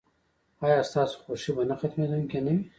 ایا ستاسو خوښي به نه ختمیدونکې نه وي؟